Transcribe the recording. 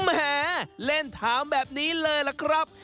แหมเล่นถามแบบนี้เลยล่ะครับ